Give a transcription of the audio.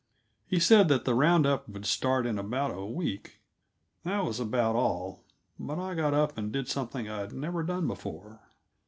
He said the round up would start in about a week. That was about all, but I got up and did something I'd never done before.